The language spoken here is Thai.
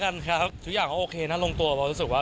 ไม่สะดวกละครับทุกอย่างคือโอเคแล้วที่สบายนะครับ